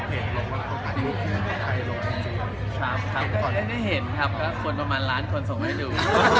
พี่แค่ได้เห็นครับกับคนประมาณล้านคนส่งให้ดู